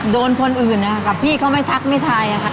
โดนคนอื่นกับพี่เขาไม่ทักไม่ทายอะค่ะ